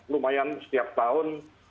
lumayan setiap tahun